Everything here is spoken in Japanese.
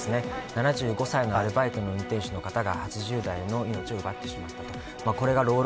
７５歳のアルバイトの運転手の方が８０代の命を奪ってしまった。